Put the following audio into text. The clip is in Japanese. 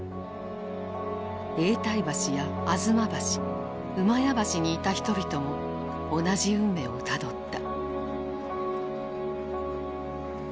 永代橋や吾妻橋厩橋にいた人々も同じ運命をたどった。